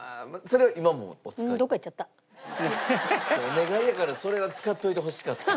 お願いやからそれは使っといてほしかった。